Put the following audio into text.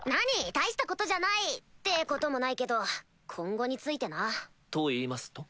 大したことじゃない！ってこともないけど今後についてな。と言いますと？